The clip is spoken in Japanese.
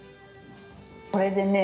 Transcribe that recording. これでね